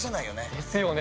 ですよね。